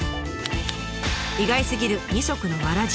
意外すぎる二足のわらじ。